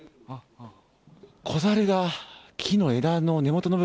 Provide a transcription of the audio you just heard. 子ザルが木の枝の根元の部分。